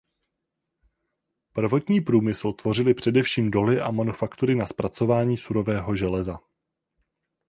Prvotní průmysl tvořily především doly a manufaktury na zpracování surového železa.